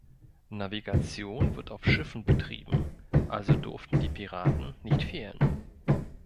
Navigation wird auf Schiffen betrieben, also durften die Piraten nicht fehlen.